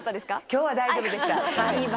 今日は大丈夫でしたはい。